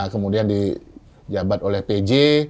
kemudian di jabat oleh pj